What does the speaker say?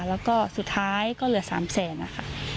แล้วก็สุดท้ายก็เหลือ๓๐๐๐๐๐บาทค่ะ